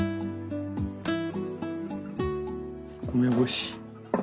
梅干し。